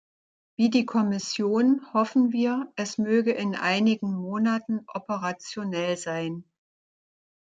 Wie die Kommission hoffen wir, es möge in einigen Monaten operationell sein.